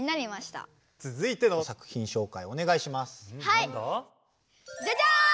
何だ？じゃじゃん！